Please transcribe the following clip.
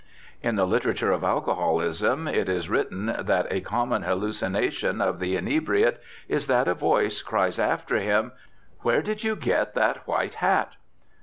In the literature of alcoholism it is written that a common hallucination of the inebriate is that a voice cries after him: "Where did you get that white hat?"